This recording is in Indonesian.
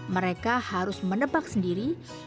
mereka harus mendebak sendiri usia jenis dan kemampuan